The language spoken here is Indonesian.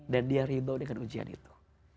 dan dia ridha dengan ujian itu